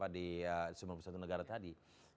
di sembilan puluh satu negara tadi